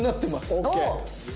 オッケー。